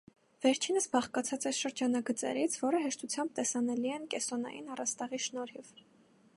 Վերջինս բաղկացած է շրջանագծերից, որը հեշտությամբ տեսանելի են կեսոնային առաստաղի շնորհիվ։